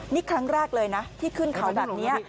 นี่ครั้งแรกเลยนะที่ขึ้นเขาแบบนี้